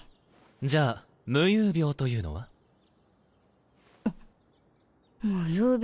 じゃあ夢遊病というのは？夢遊病。